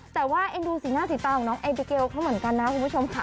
แต่ว่าเอ็นดูสีหน้าสีตาของน้องไอบิเกลเขาเหมือนกันนะคุณผู้ชมค่ะ